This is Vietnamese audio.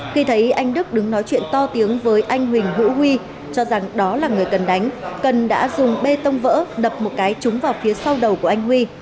khi thấy anh đức đứng nói chuyện to tiếng với anh huỳnh hữu huy cho rằng đó là người cần đánh cần đã dùng bê tông vỡ đập một cái trúng vào phía sau đầu của anh huy